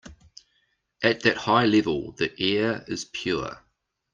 At that high level the air is pure.